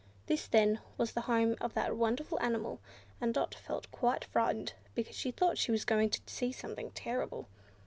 This, then, was the home of that wonderful animal; and Dot felt quite frightened, because she thought she was going to see something terrible.